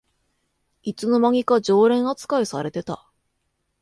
いつの間にか常連あつかいされてた